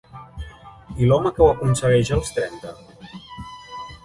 I l'home que ho aconsegueix als trenta?